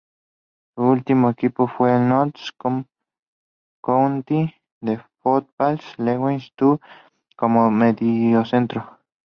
Su último equipo fue el Notts County de la Football League Two como mediocentro.